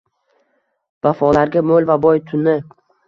Vafolarga mo’l va boy tuni.